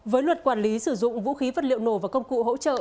với luật quản lý sử dụng vũ khí vật liệu nổ và công cụ hỗ trợ